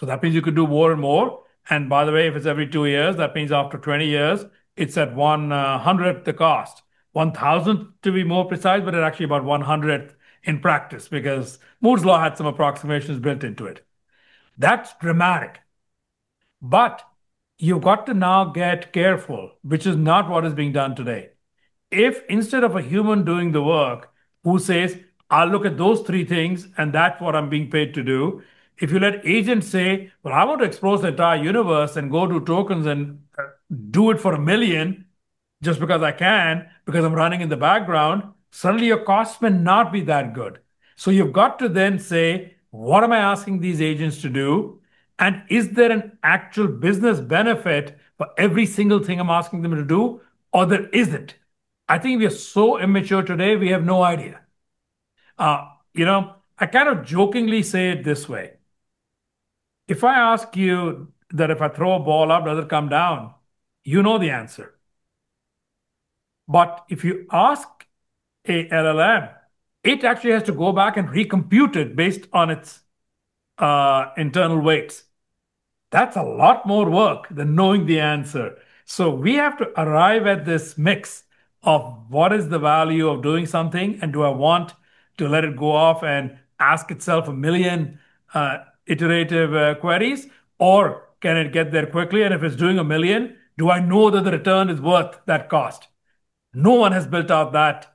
That means you could do more and more, and by the way, if it's every two years, that means after 20 years, it's at one-hundredth the cost. One-thousandth, to be more precise, but it's actually about one-hundredth in practice because Moore's law had some approximations built into it. That's dramatic. You've got to now get careful, which is not what is being done today. If instead of a human doing the work, who says, "I'll look at those three things, and that's what I'm being paid to do." If you let agents say, "Well, I want to explore the entire universe and go do tokens and do it for 1 million just because I can, because I'm running in the background," suddenly your costs may not be that good. You've got to then say, "What am I asking these agents to do? And is there an actual business benefit for every single thing I'm asking them to do or there isn't?" I think we are so immature today, we have no idea. I kind of jokingly say it this way. If I ask you that if I throw a ball up, does it come down? You know the answer. If you ask a LLM, it actually has to go back and recompute it based on its internal weights. That's a lot more work than knowing the answer. We have to arrive at this mix of what is the value of doing something, and do I want to let it go off and ask itself 1 million iterative queries, or can it get there quickly? And if it's doing 1 million, do I know that the return is worth that cost? No one has built out that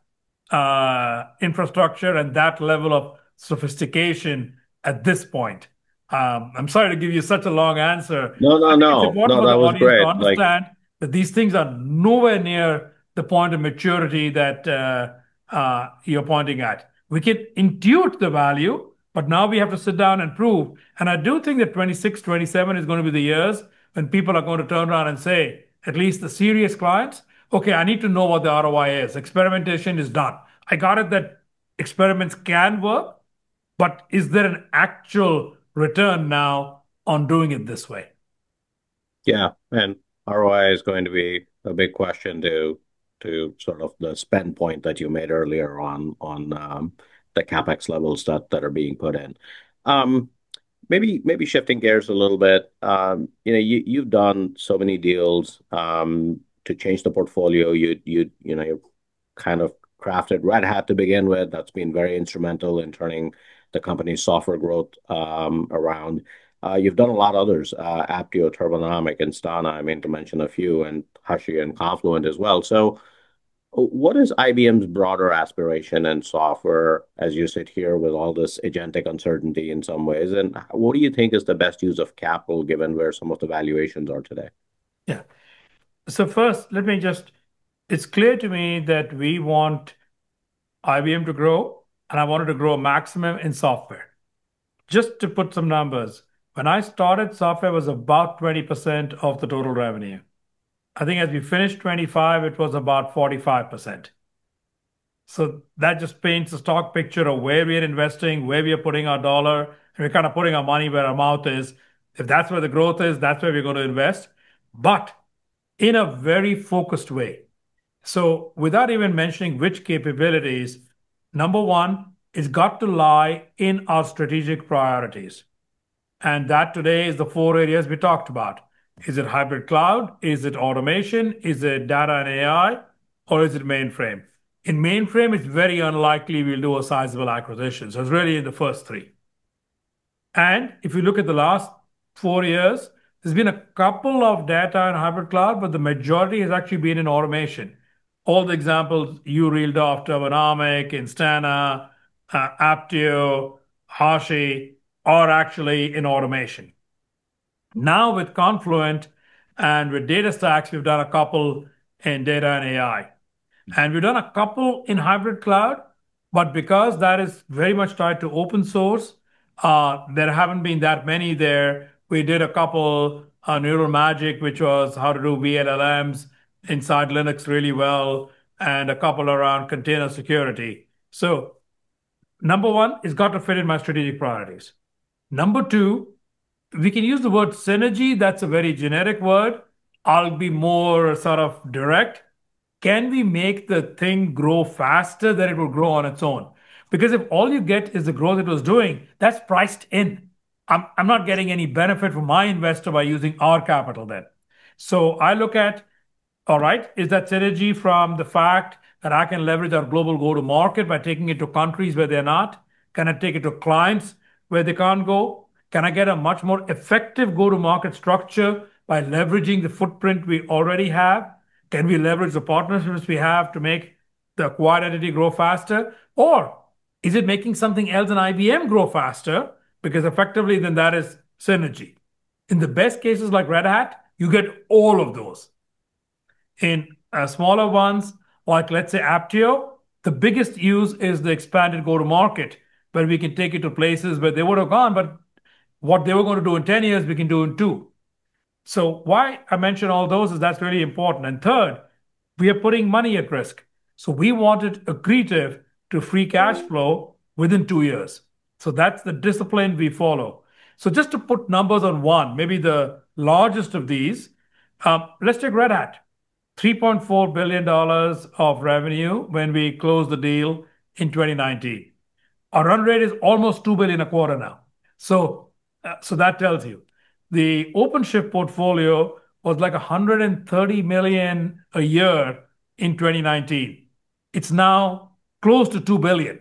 infrastructure and that level of sophistication at this point. I'm sorry to give you such a long answer. That was great. What I want you to understand that these things are nowhere near the point of maturity that you're pointing at. We can intuit the value, but now we have to sit down and prove. I do think that 2026, 2027 is going to be the years when people are going to turn around and say, at least the serious clients, "Okay, I need to know what the ROI is. Experimentation is done. I got it, that experiments can work, but is there an actual return now on doing it this way? Yeah. ROI is going to be a big question to sort of the spend point that you made earlier on the CapEx levels that are being put in. Maybe shifting gears a little bit. You've done so many deals, to change the portfolio, you've kind of crafted Red Hat to begin with. That's been very instrumental in turning the company's software growth around. You've done a lot others, Apptio, Turbonomic, Instana, I mean to mention a few, and Hashi and Confluent as well. What is IBM's broader aspiration in software as you sit here with all this agentic uncertainty in some ways, and what do you think is the best use of capital given where some of the valuations are today? Yeah. First, it's clear to me that we want IBM to grow, and I want it to grow maximum in software. Just to put some numbers, when I started, software was about 20% of the total revenue. I think as we finished 2025, it was about 45%. That just paints a stock picture of where we are investing, where we are putting our dollar, and we're kind of putting our money where our mouth is. If that's where the growth is, that's where we're going to invest. In a very focused way. Without even mentioning which capabilities, number one, it's got to lie in our strategic priorities. That today is the four areas we talked about. Is it hybrid cloud? Is it automation? Is it data and AI? Or is it mainframe? In mainframe, it's very unlikely we'll do a sizable acquisition. It's really in the first three. If you look at the last four years, there's been a couple of data in hybrid cloud, but the majority has actually been in automation. All the examples you reeled off, Turbonomic, Instana, Apptio, Hashi, are actually in automation. Now with Confluent and with DataStax, we've done a couple in data and AI. We've done a couple in hybrid cloud, but because that is very much tied to open source, there haven't been that many there. We did a couple, Neural Magic, which was how to do LLMs inside Linux really well, and a couple around container security. Number one, it's got to fit in my strategic priorities. Number two, we can use the word synergy. That's a very generic word. I'll be more sort of direct. Can we make the thing grow faster than it will grow on its own? If all you get is the growth it was doing, that's priced in. I'm not getting any benefit from my investor by using our capital then. I look at All right. Is that synergy from the fact that I can leverage our global go-to-market by taking it to countries where they're not? Can I take it to clients where they can't go? Can I get a much more effective go-to-market structure by leveraging the footprint we already have? Can we leverage the partnerships we have to make the acquired entity grow faster? Or is it making something else in IBM grow faster? Effectively, then that is synergy. In the best cases like Red Hat, you get all of those. In smaller ones, like let's say, Apptio, the biggest use is the expanded go-to-market, where we can take it to places where they would have gone, but what they were going to do in 10 years, we can do in two. Why I mention all those is that's very important. Third, we are putting money at risk. We wanted accretive to free cash flow within two years. That's the discipline we follow. Just to put numbers on one, maybe the largest of these, let's take Red Hat. $3.4 billion of revenue when we closed the deal in 2019. Our run rate is almost $2 billion a quarter now. That tells you. The OpenShift portfolio was like $130 million a year in 2019. It's now close to $2 billion.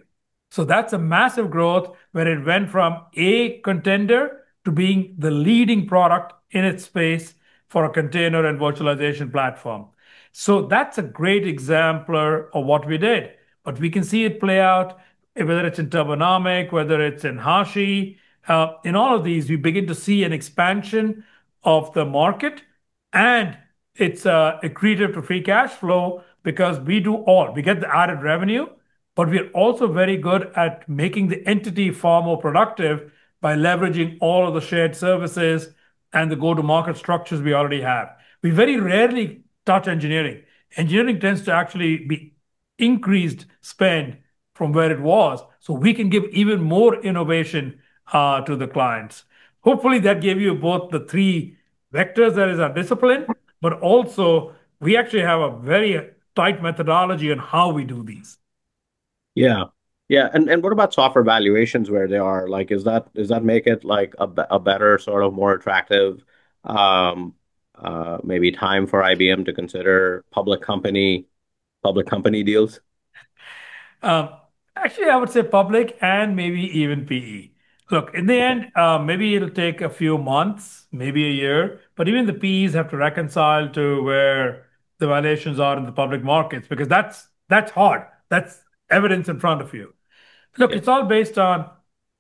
That's a massive growth when it went from a contender to being the leading product in its space for a container and virtualization platform. That's a great exemplar of what we did. We can see it play out, whether it's in Turbonomic, whether it's in Hashi. In all of these, we begin to see an expansion of the market, and it's accretive to free cash flow because we do all. We get the added revenue, but we're also very good at making the entity far more productive by leveraging all of the shared services and the go-to-market structures we already have. We very rarely touch engineering. Engineering tends to actually be increased spend from where it was, so we can give even more innovation to the clients. Hopefully, that gave you both the three vectors that is our discipline, but also, we actually have a very tight methodology on how we do these. Yeah. What about software valuations, where they are? Does that make it a better, more attractive maybe time for IBM to consider public company deals? Actually, I would say public and maybe even PE. In the end, maybe it'll take a few months, maybe a year, but even the PEs have to reconcile to where the valuations are in the public markets, because that's hard. That's evidence in front of you. It's all based on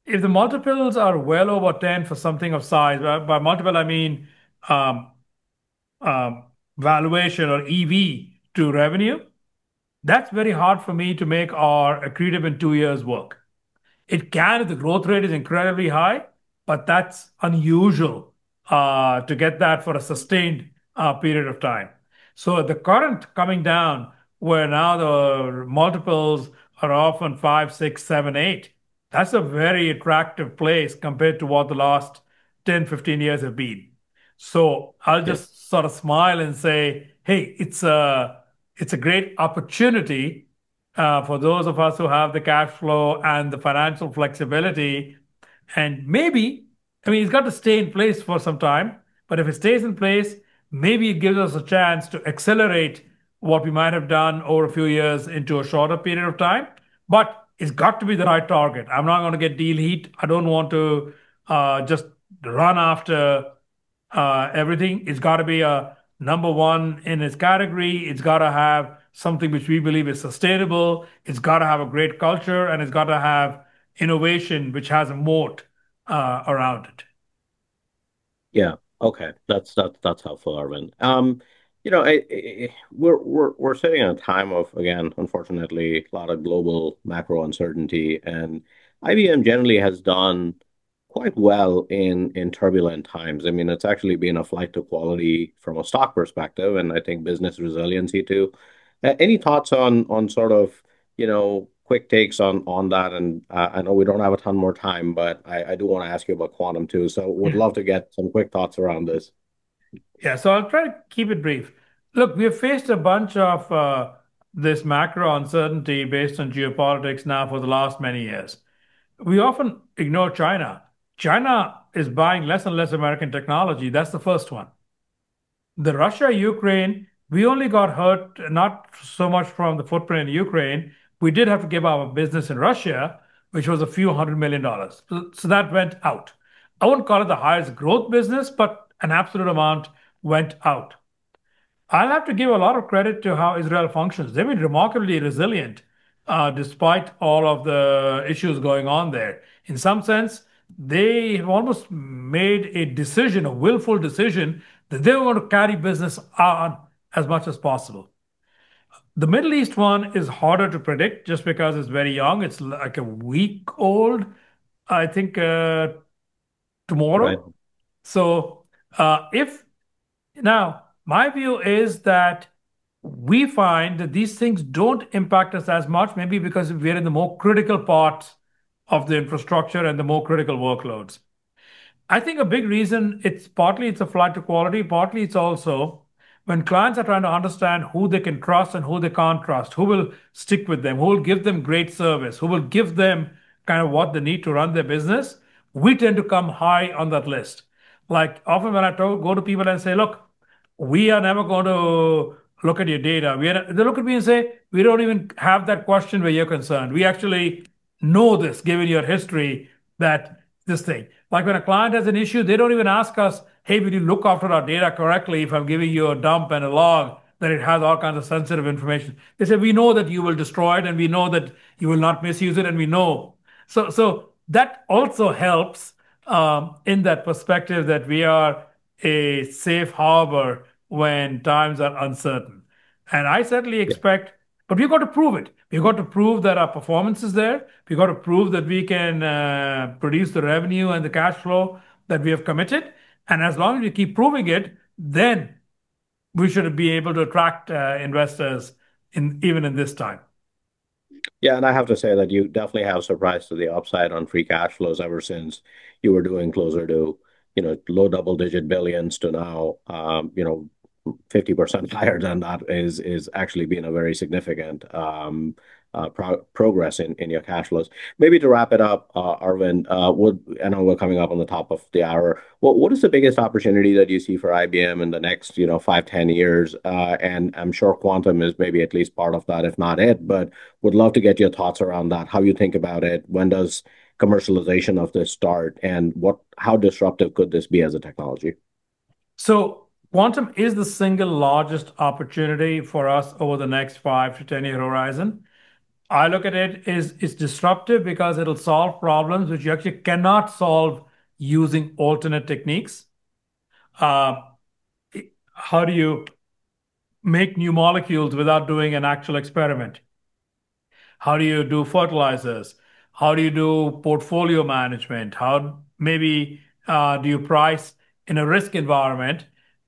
if the multiples are well over 10 for something of size. By multiple, I mean valuation or EV to revenue. That's very hard for me to make our accretive in two years work. It can if the growth rate is incredibly high, but that's unusual to get that for a sustained period of time. At the current coming down, where now the multiples are often five, six, seven, eight, that's a very attractive place compared to what the last 10, 15 years have been. I'll just sort of smile and say, "Hey, it's a great opportunity for those of us who have the cash flow and the financial flexibility." Maybe, it's got to stay in place for some time, but if it stays in place, maybe it gives us a chance to accelerate what we might have done over a few years into a shorter period of time. It's got to be the right target. I'm not going to get deal heat. I don't want to just run after everything. It's got to be number one in its category. It's got to have something which we believe is sustainable. It's got to have a great culture, and it's got to have innovation which has a moat around it. Yeah. Okay. That's helpful, Arvind. We're sitting in a time of, again, unfortunately, a lot of global macro uncertainty, IBM generally has done quite well in turbulent times. It's actually been a flight to quality from a stock perspective, I think business resiliency, too. Any thoughts on quick takes on that? I know we don't have a ton more time, I do want to ask you about Quantum, too. Would love to get some quick thoughts around this. Yeah. I'll try to keep it brief. Look, we have faced a bunch of this macro uncertainty based on geopolitics now for the last many years. We often ignore China. China is buying less and less American technology. That's the first one. The Russia-Ukraine, we only got hurt, not so much from the footprint in Ukraine. We did have to give our business in Russia, which was a few hundred million dollars. That went out. I wouldn't call it the highest growth business, but an absolute amount went out. I'll have to give a lot of credit to how Israel functions. They've been remarkably resilient, despite all of the issues going on there. In some sense, they almost made a decision, a willful decision, that they were going to carry business on as much as possible. The Middle East one is harder to predict just because it's very young. It's like a week old, I think, tomorrow. Right. Now, my view is that we find that these things don't impact us as much, maybe because we're in the more critical parts of the infrastructure and the more critical workloads. I think a big reason, it's partly it's a flight to quality, partly it's also when clients are trying to understand who they can trust and who they can't trust, who will stick with them, who will give them great service, who will give them what they need to run their business, we tend to come high on that list. Often when I go to people and say, "Look, we are never going to look at your data." They look at me and say, "We don't even have that question where you're concerned. We actually know this, given your history. Like when a client has an issue, they don't even ask us, "Hey, will you look after our data correctly if I'm giving you a dump and a log that it has all kinds of sensitive information?" They say, "We know that you will destroy it, and we know that you will not misuse it. We know." That also helps in that perspective, that we are a safe harbor when times are uncertain. I certainly expect. We've got to prove it. We've got to prove that our performance is there. We've got to prove that we can produce the revenue and the cash flow that we have committed. As long as we keep proving it, we should be able to attract investors even in this time. I have to say that you definitely have surprised to the upside on free cash flows ever since you were doing closer to low double-digit billions to now 50% higher than that has actually been a very significant progress in your cash flows. Maybe to wrap it up, Arvind, I know we're coming up on the top of the hour. What is the biggest opportunity that you see for IBM in the next five, 10 years? I'm sure quantum is maybe at least part of that, if not it, would love to get your thoughts around that, how you think about it. When does commercialization of this start, and how disruptive could this be as a technology? Quantum is the single largest opportunity for us over the next five to 10-year horizon. I look at it as it's disruptive because it will solve problems which you actually cannot solve using alternate techniques. How do you make new molecules without doing an actual experiment? How do you do fertilizers? How do you do portfolio management? How maybe do you price in a risk environment?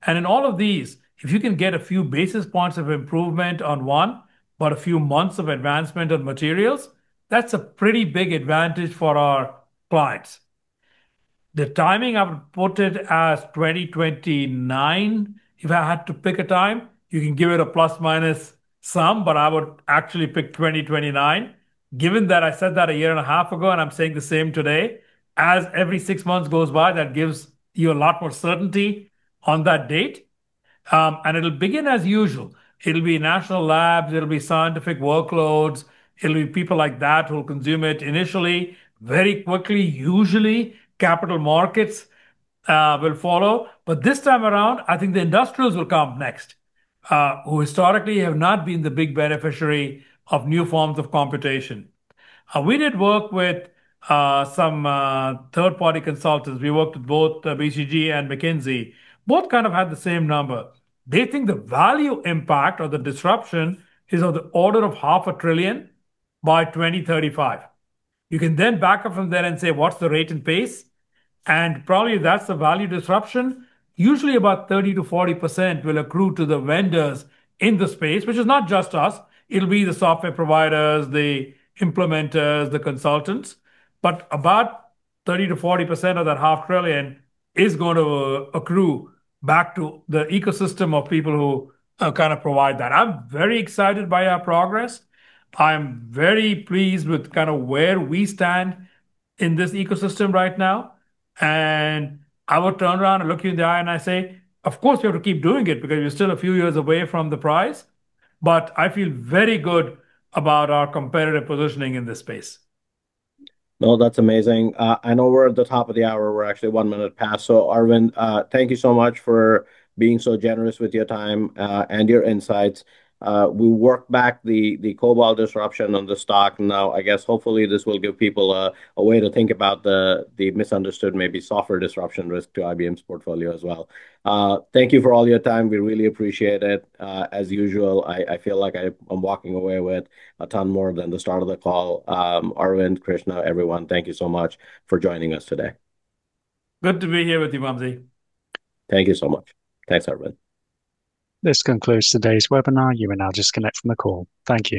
In all of these, if you can get a few basis points of improvement on one, but a few months of advancement on materials, that's a pretty big advantage for our clients. The timing, I would put it as 2029 if I had to pick a time. You can give it a plus, minus some, I would actually pick 2029, given that I said that a year and a half ago, and I'm saying the same today. As every six months goes by, that gives you a lot more certainty on that date. It'll begin as usual. It'll be national labs, it'll be scientific workloads. It'll be people like that who will consume it initially. Very quickly, usually, capital markets will follow. This time around, I think the industrials will come next, who historically have not been the big beneficiary of new forms of computation. We did work with some third-party consultants. We worked with both BCG and McKinsey. Both had the same number. They think the value impact or the disruption is of the order of half a trillion by 2035. You can then back up from there and say, "What's the rate and pace?" Probably that's the value disruption. Usually, about 30%-40% will accrue to the vendors in the space, which is not just us. It'll be the software providers, the implementers, the consultants. About 30%-40% of that half trillion is going to accrue back to the ecosystem of people who provide that. I'm very excited by our progress. I'm very pleased with where we stand in this ecosystem right now. I would turn around and look you in the eye and I say, "Of course, you have to keep doing it because you're still a few years away from the prize." I feel very good about our competitive positioning in this space. That's amazing. I know we are at the top of the hour. We are actually one minute past. Arvind, thank you so much for being so generous with your time and your insights. We worked back the COBOL disruption on the stock. I guess hopefully this will give people a way to think about the misunderstood, maybe software disruption risk to IBM's portfolio as well. Thank you for all your time. We really appreciate it. As usual, I feel like I am walking away with a ton more than the start of the call. Arvind Krishna, everyone, thank you so much for joining us today. Good to be here with you, Vamsee. Thank you so much. Thanks, Arvind. This concludes today's webinar. You are now disconnected from the call. Thank you